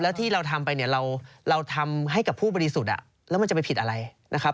แล้วที่เราทำไปเนี่ยเราทำให้กับผู้บริสุทธิ์แล้วมันจะไปผิดอะไรนะครับ